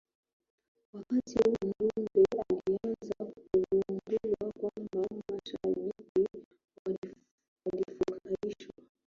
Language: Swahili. Wakati huu Dube alianza kugundua kwamba mashabiki walifurahishwa